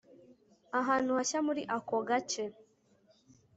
Ahantu hashya muri ako gace